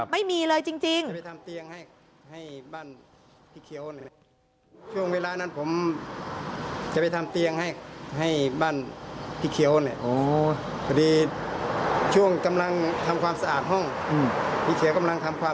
ไม่มีเลยจริง